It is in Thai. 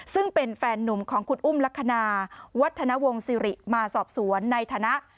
ซึ่งเป็นแฟนหนุ่มของคุณอุ้มลักษณะวัฒนวงศิริมาสอบสวนในฐานะ